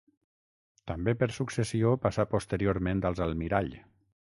També per successió passà posteriorment als Almirall.